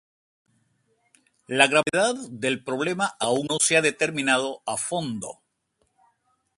La gravedad del problema aún no se ha determinado a fondo.